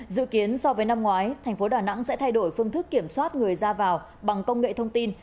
dự kiến so với năm ngoái tp hcm sẽ thay đổi phương thức kiểm soát người ra vào bằng công nghệ thông tin